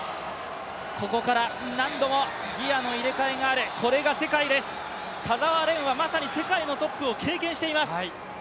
ここから何度もギアの入れ替えがある、これが世界です、田澤廉はまさに世界のトップを経験しています。